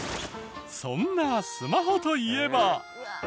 そんなスマホといえば。